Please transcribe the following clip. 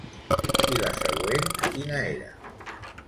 I la següent quina era?